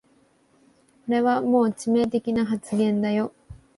これはもう致命的な発言だよ